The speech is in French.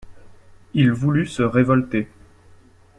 Il voulut se révolter